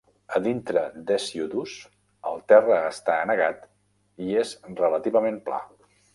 A dintre d"Hesiodus, el terra està anegat i és relativament pla.